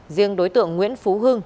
riêng đối tượng nguyễn phú hưng